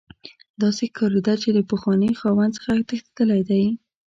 داسې ښکاریده چې د پخواني خاوند څخه تښتیدلی دی